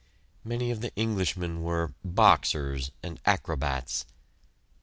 Many of the Englishmen were "boxers" and "acrobats."